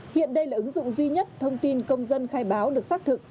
hiện đây là ứng dụng duy nhất thông tin công dân khai báo được xác thực